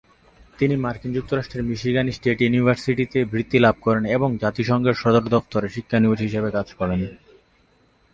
তিনি মার্কিন যুক্তরাষ্ট্রের মিশিগান স্টেট ইউনিভার্সিটিতে বৃত্তি লাভ করেন এবং জাতিসংঘের সদর দফতরে শিক্ষানবিশ হিসেবে কাজ করেন।